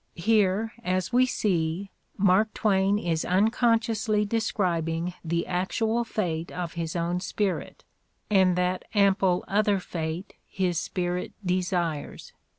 Here, as we see, Mark Twain is unconsciously describ ing the actual fate of his own spirit and that ample other fate his spirit desires.